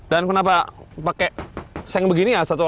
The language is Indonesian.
dan kenapa pakai seng begini ya